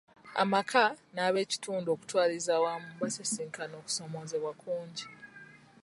Amaka n'abekitundu okutwaliza awamu basisinkana okusomozebwa kungi .